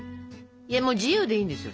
いやもう自由でいいんですよ。